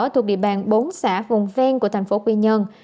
thuộc địa bàn bốn xã vùng ven của thành phố quy nhơn